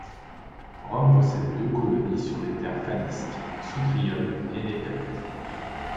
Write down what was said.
Rome possède deux colonies sur les terres falisques, Sutrium et Nepete.